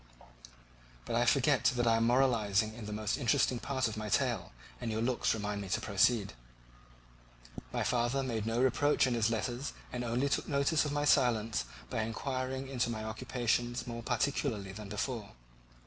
But I forget that I am moralizing in the most interesting part of my tale, and your looks remind me to proceed. My father made no reproach in his letters and only took notice of my silence by inquiring into my occupations more particularly than before.